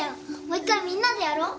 もう１回みんなでやろう。